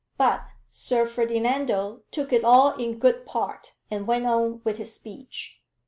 But Sir Ferdinando took it all in good part, and went on with his speech.